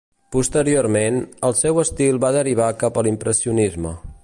Posteriorment, el seu estil va derivar cap a l'impressionisme.